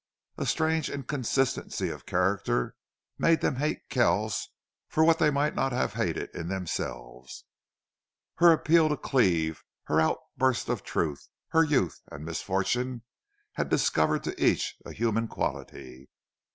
A strange inconsistency of character made them hate Kells for what they might not have hated in themselves. Her appeal to Cleve, her outburst of truth, her youth and misfortune, had discovered to each a human quality.